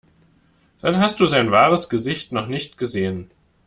Dann hast du sein wahres Gesicht noch nicht gesehen.